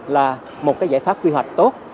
là một cái giải pháp quy hoạch tốt